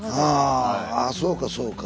ああそうかそうか。